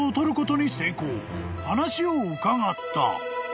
［話を伺った］